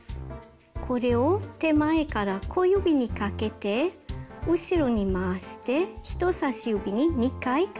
これを手前から小指にかけて後ろに回して人さし指に２回かけます。